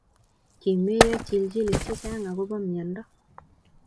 Kimeyo chilchilik chechang'akobo myondo